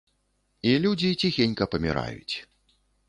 І людзі ціхенька паміраюць.